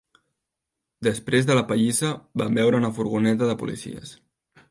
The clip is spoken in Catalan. Després de la pallissa vam veure una furgoneta de policies.